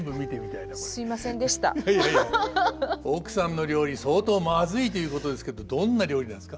いやいや奥さんの料理相当まずいということですけどどんな料理なんですか？